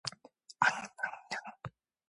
아는 길도 물어가라